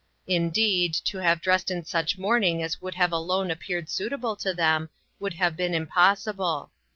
In deed, to have dressed in such mourning as would have alone appeared suitable to them, would have been impossible.